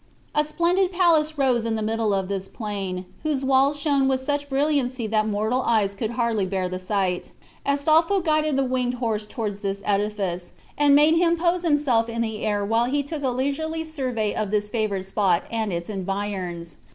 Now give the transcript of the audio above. A splendid palace rose in the middle of this plain, whose walls shone with such brilliancy that mortal eyes could hardly bear the sight. Astolpho guided the winged horse towards this edifice, and made him poise himself in the air while he took a leisurely survey of this favored spot and its environs.